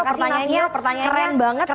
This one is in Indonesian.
pertanyaannya keren banget